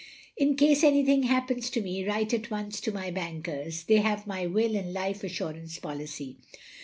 ''In case anything happens to me^ write at once to my bankers; they have my wiU and life assur ance policy.